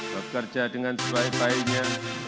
bekerja dengan sebaik baiknya